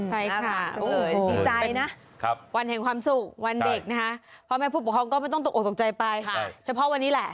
ใช่ค่ะดีใจนะวันแห่งความสุขวันเด็กนะคะพ่อแม่ผู้ปกครองก็ไม่ต้องตกออกตกใจไปเฉพาะวันนี้แหละ